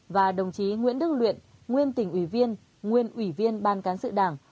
và đồng chí nguyễn đức luyện nguyên tỉnh ủy viên nguyên ủy viên ban cán sự đảng